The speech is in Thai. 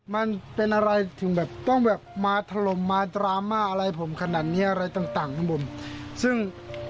มันเป็นอะไรถึงแบบต้องแบบมาถล่มมาดราม่าอะไรผมขนาดนี้อะไรต่างต่างข้างบนซึ่ง